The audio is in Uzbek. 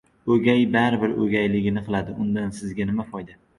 — O‘gay bari bir o‘gayligini qiladi. Undan sizga nima foyda!